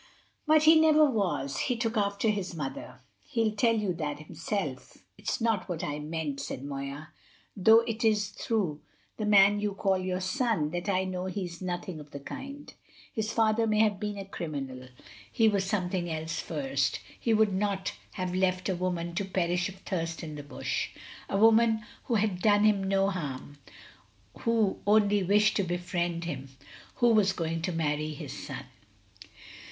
But he never was; he took after his mother; he'll tell you that himself." "It's not what I meant," said Moya, "though it is through the man you call your son that I know he is nothing of the kind. His father may have been a criminal; he was something else first; he would not have left a woman to perish of thirst in the bush, a woman who had done him no harm who only wished to befriend him who was going to marry his son!"